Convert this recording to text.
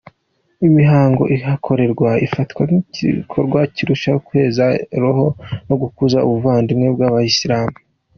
Imihango ihakorerwa ifatwa nk’igikorwa kirushaho kweza roho no gukuza ubuvandimwe bw’Abayisilamu.